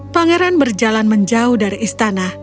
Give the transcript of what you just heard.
pangeran berjalan menjauh dari istana